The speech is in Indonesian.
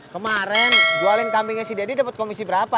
kemaren jualin kambingnya si deddy dapet komisi berapa